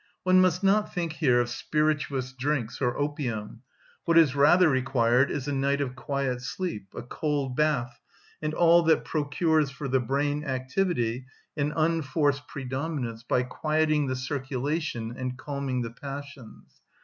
One must not think here of spirituous drinks or opium; what is rather required is a night of quiet sleep, a cold bath, and all that procures for the brain activity an unforced predominance by quieting the circulation and calming the passions.